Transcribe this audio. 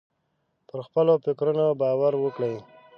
پر خپلو فکرونو باور وکړئ.